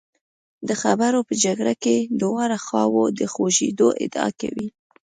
د خبرو په جګړه کې دواړه خواوې د خوږېدو ادعا کوي.